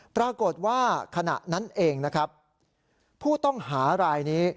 ปรากฏว่าขณะนั้นเองนะครับผู้ต้องหารายนี้